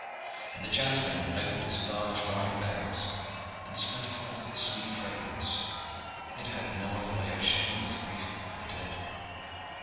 And the jasmine opened its large white bells, and spread forth its sweet fragrance; it had no other way of showing its grief for the dead.